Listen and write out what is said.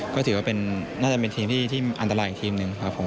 ก็ถือว่าน่าจะเป็นทีมที่อันตรายอีกทีมหนึ่งครับผม